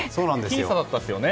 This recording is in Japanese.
僅差だったですよね。